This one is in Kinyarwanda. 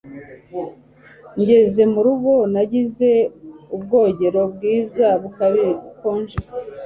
Ngeze murugo, nagize ubwogero bwiza, bukonje.